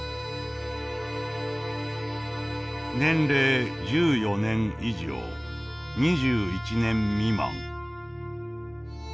「年齢１４年以上２１年未満」。